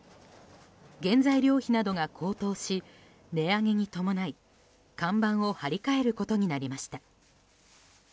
原材料費などが高騰し値上げに伴い看板を張り替えることになりました。